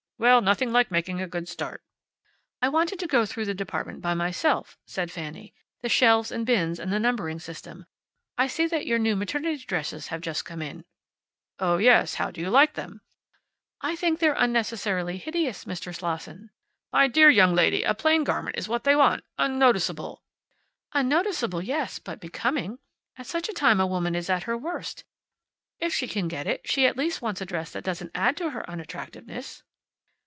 Well, nothing like making a good start." "I wanted to go through the department by myself," said Fanny. "The shelves and bins, and the numbering system. I see that your new maternity dresses have just come in." "Oh, yes. How do you like them?" "I think they're unnecessarily hideous, Mr. Slosson." "My dear young lady, a plain garment is what they want. Unnoticeable." "Unnoticeable, yes; but becoming. At such a time a woman is at her worst. If she can get it, she at least wants a dress that doesn't add to her unattractiveness."